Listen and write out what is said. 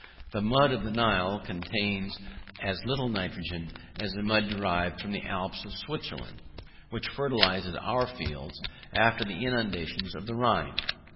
The mud of the Nile contains as little nitrogen as the mud derived from the Alps of Switzerland, which fertilises our fields after the inundations of the Rhine.